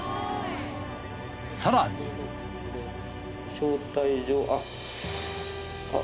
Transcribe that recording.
更に招待状あっ。